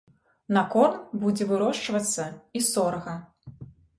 На корм будзе вырошчвацца і сорга.